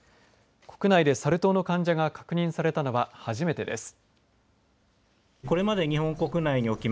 国内でサル痘の患者が確認されたのは初めてです。